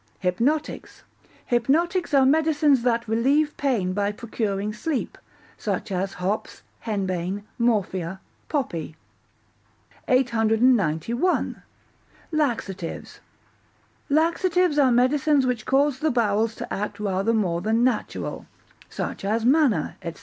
Hypnotics Hypnotics are medicines that relieve pain by procuring sleep, such as hops, henbane, morphia, poppy. 891. Laxatives Laxatives are medicines which cause the bowels to act rather more than natural, such as manna, &c.